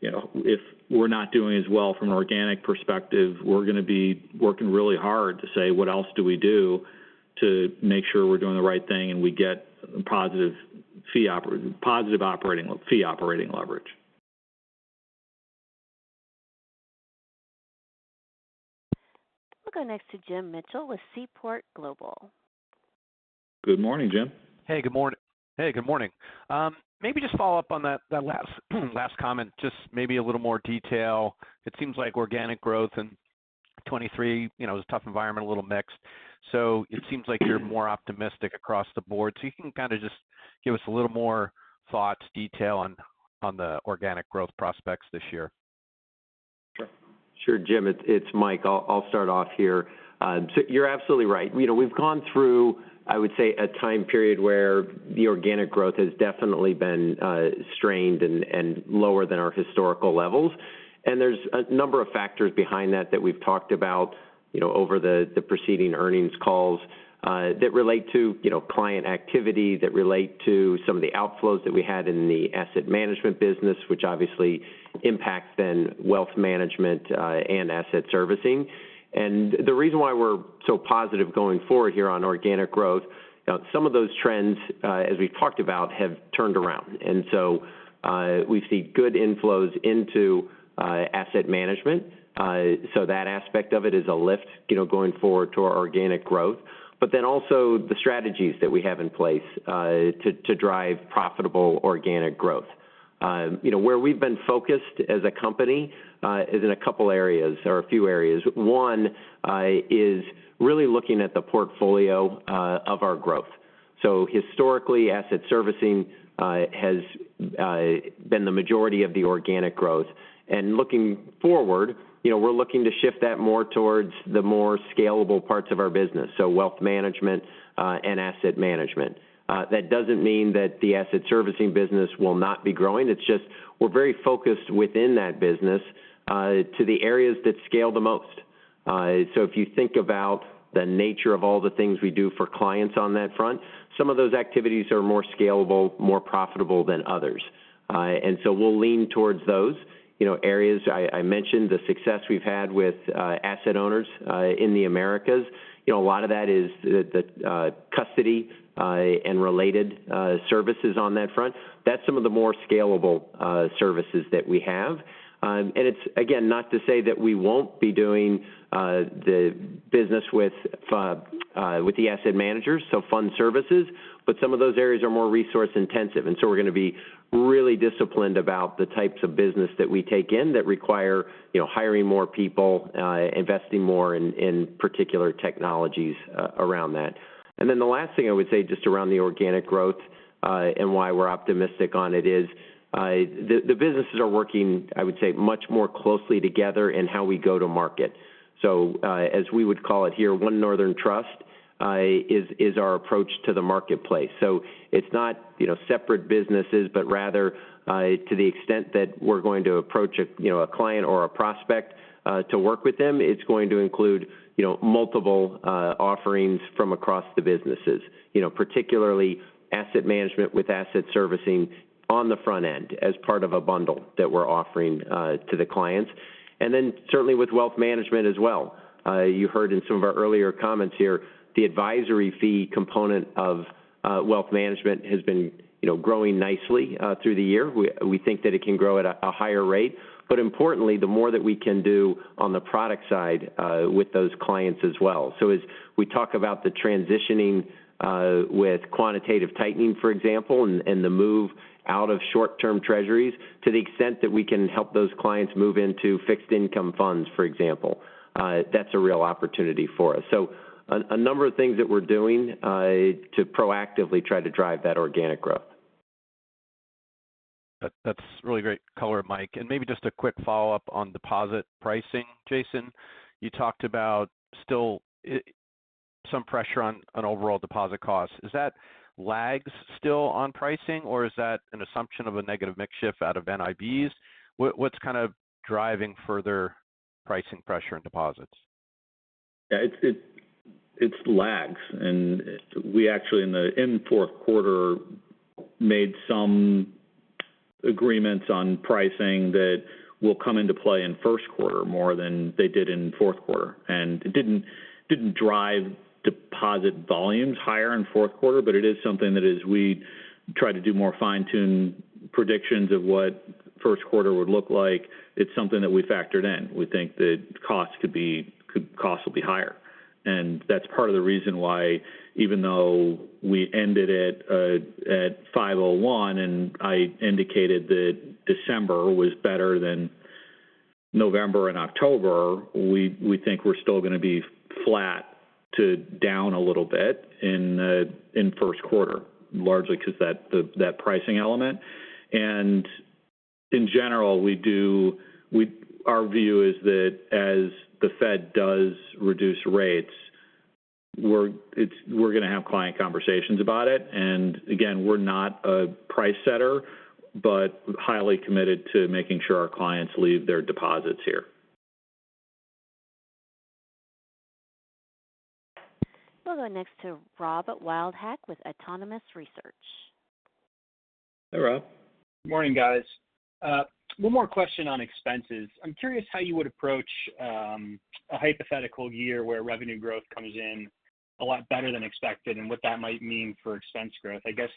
Speaker 4: You know, if we're not doing as well from an organic perspective, we're going to be working really hard to say: "What else do we do to make sure we're doing the right thing, and we get positive fee operating leverage?
Speaker 1: We'll go next to Jim Mitchell with Seaport Global.
Speaker 4: Good morning, Jim.
Speaker 12: Hey, good morning. Maybe just follow up on that last comment, just maybe a little more detail. It seems like organic growth in 2023, you know, it was a tough environment, a little mixed. So it seems like you're more optimistic across the board. So you can kind of just give us a little more thoughts, detail on the organic growth prospects this year?
Speaker 3: Sure, Jim. It's Mike. I'll start off here. So you're absolutely right. You know, we've gone through, I would say, a time period where the organic growth has definitely been strained and lower than our historical levels. And there's a number of factors behind that that we've talked about, you know, over the preceding earnings calls that relate to, you know, client activity, that relate to some of the outflows that we had in the asset management business, which obviously impacts then wealth management and asset servicing. And the reason why we're so positive going forward here on organic growth, some of those trends, as we've talked about, have turned around, and so we see good inflows into asset management. So that aspect of it is a lift, you know, going forward to our organic growth. But then also the strategies that we have in place to drive profitable organic growth. You know, where we've been focused as a company is in a couple areas or a few areas. One is really looking at the portfolio of our growth. So historically, asset servicing has been the majority of the organic growth. And looking forward, you know, we're looking to shift that more towards the more scalable parts of our business, so wealth management and asset management. That doesn't mean that the asset servicing business will not be growing. It's just we're very focused within that business to the areas that scale the most. So if you think about the nature of all the things we do for clients on that front, some of those activities are more scalable, more profitable than others. And so we'll lean towards those, you know, areas. I mentioned the success we've had with asset owners in the Americas. You know, a lot of that is the custody and related services on that front. That's some of the more scalable services that we have. And it's, again, not to say that we won't be doing the business with the asset managers, so fund services, but some of those areas are more resource-intensive, and so we're gonna be really disciplined about the types of business that we take in that require, you know, hiring more people, investing more in particular technologies around that. The last thing I would say, just around the organic growth and why we're optimistic on it is the businesses are working, I would say, much more closely together in how we go to market. As we would call it here, One Northern Trust is our approach to the marketplace. It's not, you know, separate businesses, but rather to the extent that we're going to approach a you know a client or a prospect to work with them, it's going to include, you know, multiple offerings from across the businesses. You know, particularly asset management with asset servicing on the front end, as part of a bundle that we're offering to the clients, and then certainly with wealth management as well. You heard in some of our earlier comments here, the advisory fee component of wealth management has been, you know, growing nicely through the year. We think that it can grow at a higher rate. But importantly, the more that we can do on the product side with those clients as well. So as we talk about the transitioning with quantitative tightening, for example, and the move out of short-term Treasuries, to the extent that we can help those clients move into fixed income funds, for example, that's a real opportunity for us. So a number of things that we're doing to proactively try to drive that organic growth.
Speaker 12: That's, that's really great color, Mike. Maybe just a quick follow-up on deposit pricing. Jason, you talked about still some pressure on overall deposit costs. Is that lags still on pricing, or is that an assumption of a negative mix shift out of NIBs? What's kind of driving further pricing pressure in deposits?
Speaker 4: Yeah, it lags. And we actually, in the fourth quarter, made some agreements on pricing that will come into play in first quarter more than they did in fourth quarter. And it didn't drive deposit volumes higher in fourth quarter, but it is something that as we try to do more fine-tune predictions of what first quarter would look like, it's something that we factored in. We think that costs will be higher. And that's part of the reason why, even though we ended it at 501, and I indicated that December was better than November and October, we think we're still gonna be flat to down a little bit in first quarter, largely because that pricing element. In general, our view is that as the Fed does reduce rates, we're gonna have client conversations about it, and again, we're not a price setter, but highly committed to making sure our clients leave their deposits here.
Speaker 1: We'll go next to Rob Wildhack with Autonomous Research.
Speaker 4: Hey, Rob.
Speaker 13: Good morning, guys. One more question on expenses. I'm curious how you would approach a hypothetical year where revenue growth comes in a lot better than expected, and what that might mean for expense growth. I guess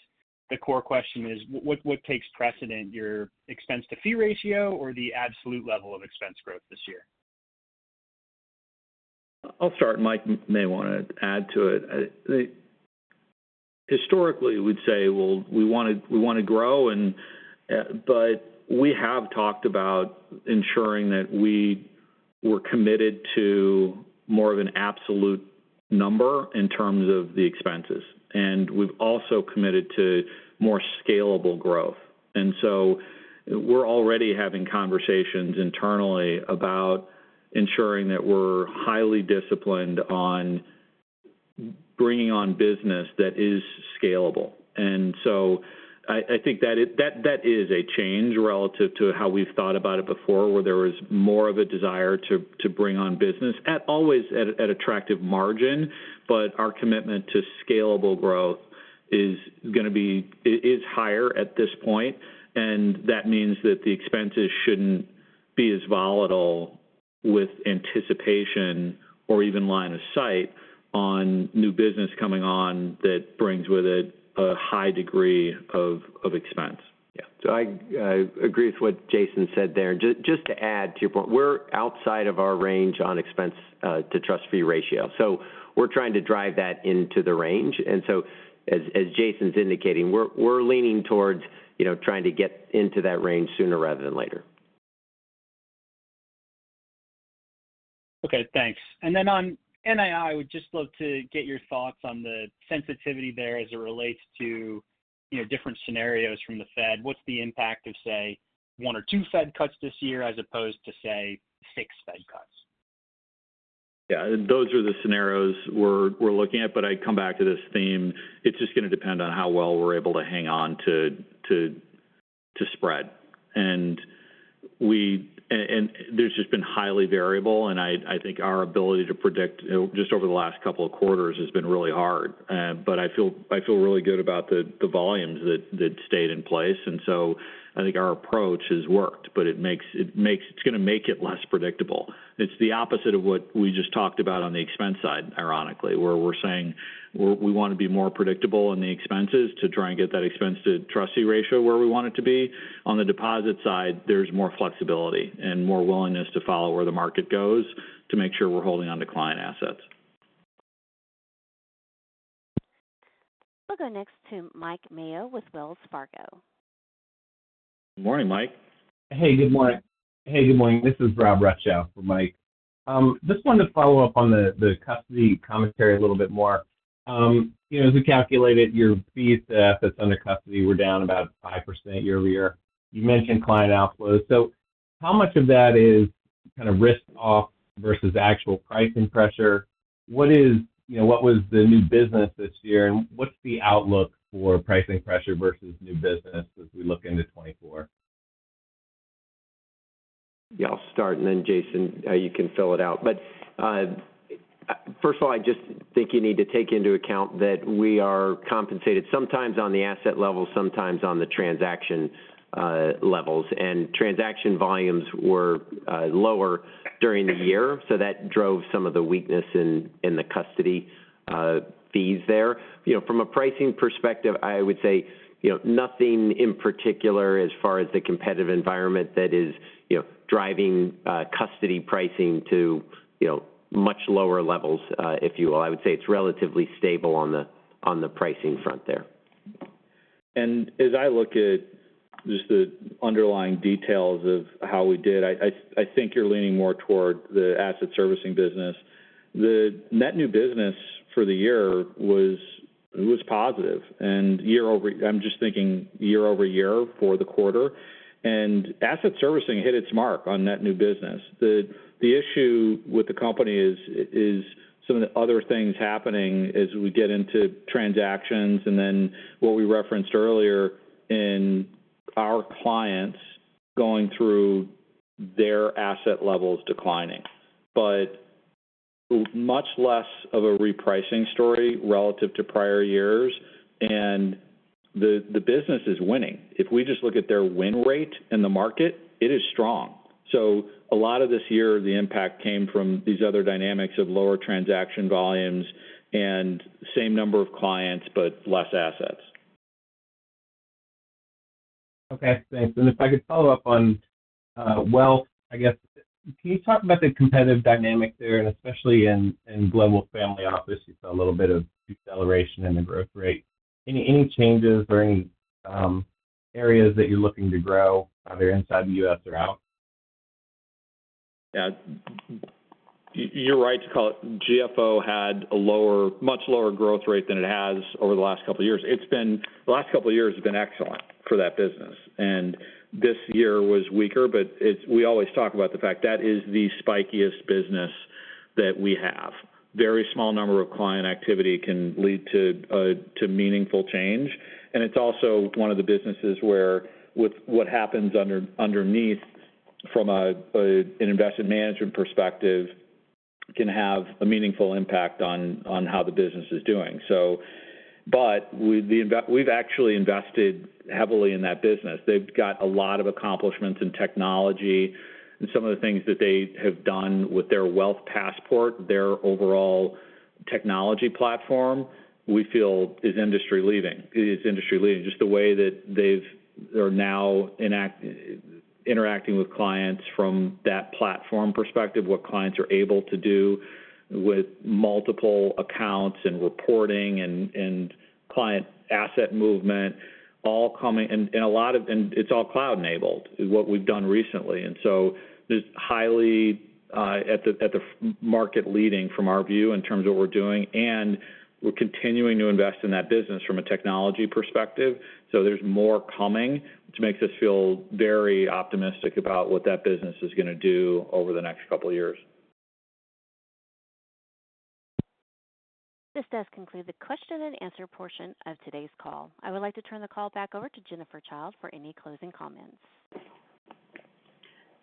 Speaker 13: the core question is: what takes precedence, your expense to fee ratio or the absolute level of expense growth this year?
Speaker 4: I'll start. Mike may wanna add to it. Historically, we'd say, well, we wanna, we wanna grow and, but we have talked about ensuring that we were committed to more of an absolute number in terms of the expenses, and we've also committed to more scalable growth. And so we're already having conversations internally about ensuring that we're highly disciplined on bringing on business that is scalable. And so I think that is a change relative to how we've thought about it before, where there was more of a desire to bring on business at always at attractive margin, but our commitment to scalable growth is gonna be is higher at this point, and that means that the expenses shouldn't be as volatile with anticipation or even line of sight on new business coming on that brings with it a high degree of expense.
Speaker 3: Yeah. So I agree with what Jason said there. Just to add to your point, we're outside of our range on expense to trust fee ratio, so we're trying to drive that into the range. And so as Jason's indicating, we're leaning towards, you know, trying to get into that range sooner rather than later.
Speaker 13: Okay, thanks. And then on NII, I would just love to get your thoughts on the sensitivity there as it relates to, you know, different scenarios from the Fed. What's the impact of, say, one or two Fed cuts this year, as opposed to, say, six Fed cuts?
Speaker 4: Yeah, those are the scenarios we're looking at, but I come back to this theme. It's just gonna depend on how well we're able to hang on to spread. And there's just been highly variable, and I think our ability to predict just over the last couple of quarters has been really hard. But I feel really good about the volumes that stayed in place, and so I think our approach has worked, but it makes it's gonna make it less predictable. It's the opposite of what we just talked about on the expense side, ironically, where we're saying we wanna be more predictable in the expenses to try and get that expense to trust fee ratio where we want it to be. On the deposit side, there's more flexibility and more willingness to follow where the market goes to make sure we're holding onto client assets....
Speaker 1: We'll go next to Mike Mayo with Wells Fargo.
Speaker 4: Good morning, Mike.
Speaker 14: Hey, good morning. This is Rob Rutschow for Mike. Just wanted to follow up on the custody commentary a little bit more. You know, as we calculated, your fees that's under custody were down about 5% year-over-year. You mentioned client outflows. So how much of that is kind of risk off versus actual pricing pressure? You know, what was the new business this year, and what's the outlook for pricing pressure versus new business as we look into 2024?
Speaker 3: Yeah, I'll start, and then Jason, you can fill it out. But, first of all, I just think you need to take into account that we are compensated sometimes on the asset level, sometimes on the transaction levels. And transaction volumes were lower during the year, so that drove some of the weakness in the custody fees there. You know, from a pricing perspective, I would say, you know, nothing in particular as far as the competitive environment that is, you know, driving custody pricing to, you know, much lower levels, if you will. I would say it's relatively stable on the pricing front there.
Speaker 4: As I look at just the underlying details of how we did, I think you're leaning more toward the asset servicing business. The net new business for the year was positive, and year-over-year for the quarter, asset servicing hit its mark on net new business. The issue with the company is some of the other things happening as we get into transactions, and then what we referenced earlier in our clients going through their asset levels declining. But much less of a repricing story relative to prior years, and the business is winning. If we just look at their win rate in the market, it is strong. So a lot of this year, the impact came from these other dynamics of lower transaction volumes and same number of clients, but less assets.
Speaker 14: Okay, thanks. And if I could follow up on wealth, I guess. Can you talk about the competitive dynamic there, and especially in Global Family Office, you saw a little bit of deceleration in the growth rate. Any changes or any areas that you're looking to grow, either inside the U.S. or out?
Speaker 4: Yeah. You're right to call it. GFO had a much lower growth rate than it has over the last couple of years. It's been... The last couple of years have been excellent for that business, and this year was weaker, but it's—we always talk about the fact that it is the spikiest business that we have. Very small number of client activity can lead to meaningful change, and it's also one of the businesses where, with what happens underneath from an investment management perspective, can have a meaningful impact on how the business is doing. So, but we, we've actually invested heavily in that business. They've got a lot of accomplishments in technology and some of the things that they have done with their Wealth Passport, their overall technology platform, we feel is industry-leading. It is industry-leading. Just the way that they're now interacting with clients from that platform perspective, what clients are able to do with multiple accounts and reporting and client asset movement, all coming. And it's all cloud-enabled, is what we've done recently. And so it's highly market leading from our view in terms of what we're doing, and we're continuing to invest in that business from a technology perspective. So there's more coming, which makes us feel very optimistic about what that business is going to do over the next couple of years.
Speaker 1: This does conclude the question and answer portion of today's call. I would like to turn the call back over to Jennifer Childe for any closing comments.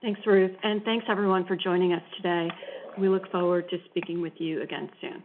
Speaker 2: Thanks, Ruth, and thanks everyone for joining us today. We look forward to speaking with you again soon.